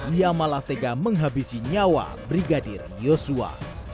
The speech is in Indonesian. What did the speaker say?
ia malah tega menghabisi nyawa brigadir yosua